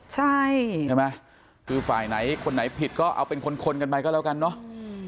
ใช่ไหมคือฝ่ายไหนคนไหนผิดก็เอาเป็นคนกันไปก็แล้วกันเนาะ